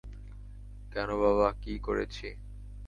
কেন বাবা, কী করেছি।